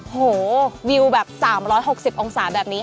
โหวิวแบบ๓๖๐องศาแบบนี้